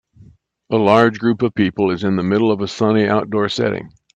A large group of people is in the middle of a sunny outdoor setting.